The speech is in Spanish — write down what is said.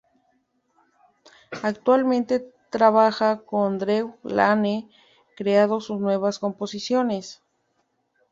Actualmente trabaja con Drew Lane, creando sus nuevas composiciones.